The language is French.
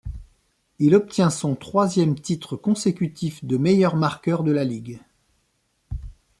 Il obtient son troisième titre consécutif de meilleur marqueur de la ligue.